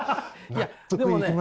いやでもね